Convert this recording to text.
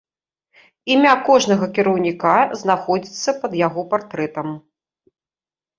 Імя кожнага кіраўніка знаходзіцца пад яго партрэтам.